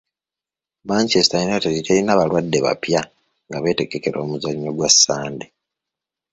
Manchester United terina balwadde bapya nga beetegekera omuzannyo gwa Sande.